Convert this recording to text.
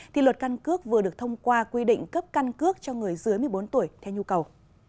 thì luật căn cước vừa được thông qua quy định cấp căn cước cho người dưới một mươi bốn tuổi theo nhu cầu